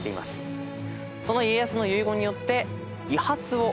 その家康の遺言によって。